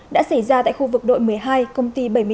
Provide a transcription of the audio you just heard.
đã xảy ra tại khu vực đội một mươi hai công ty bảy mươi chín